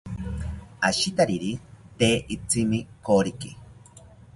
Ashitariri tee itrsimi koriki